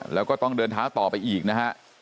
แล้วก็ต้องเดินเท้าต่อไปอีกนะฮะ